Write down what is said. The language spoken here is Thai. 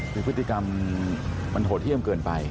คือพฤติกรรมมันโหดเยี่ยมเกินไป